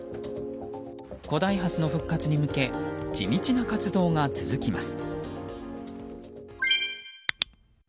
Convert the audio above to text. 古代ハスの復活に向け地道な活動が続きます。